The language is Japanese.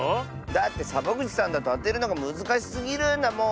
だってサボぐちさんだとあてるのがむずかしすぎるんだもん。